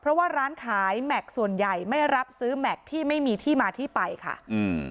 เพราะว่าร้านขายแม็กซ์ส่วนใหญ่ไม่รับซื้อแม็กซ์ที่ไม่มีที่มาที่ไปค่ะอืม